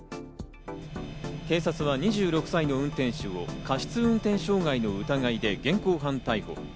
警察は２６歳の運転手を過失運転傷害の疑いで現行犯逮捕。